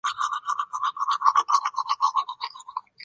另外一个拥有长毛的猪种英格兰林肯郡卷毛猪目前已经灭绝。